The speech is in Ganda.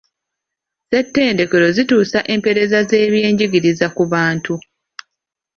Ssettendekero zituusa empeereza z'eby'enjigiriza ku bantu.